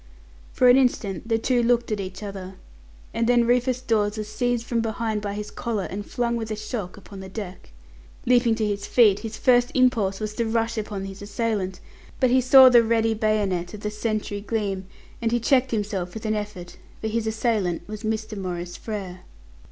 For an instant the two looked at each other, and then Rufus Dawes was seized from behind by his collar, and flung with a shock upon the deck. Leaping to his feet, his first impulse was to rush upon his assailant, but he saw the ready bayonet of the sentry gleam, and he checked himself with an effort, for his assailant was Mr. Maurice Frere.